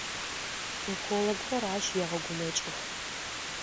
Экологхэр ащ егъэгумэкӏых.